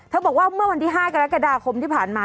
บอกว่าเมื่อวันที่๕กรกฎาคมที่ผ่านมา